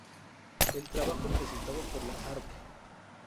El trabajo presentado por la Arq.